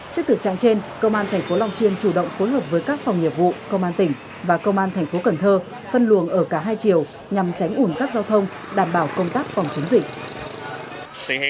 trước thực trạng trên công an tp long xuyên chủ động phối hợp với các phòng nhiệm vụ công an tỉnh và công an tp cần thơ phân luồng ở cả hai chiều nhằm tránh ưu tác giao thông đảm bảo công tác phòng chống dịch